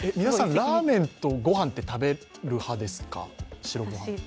皆さん、ラーメンと御飯って食べる派ですか、白御飯。